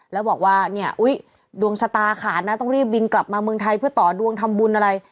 แล้วบอกว่าเนี่ยอุ๊ยดวงชะตาขาดนะต้องรีบบินกลับมาเมืองไทยเพื่อต่อดวงทำบุญอะไร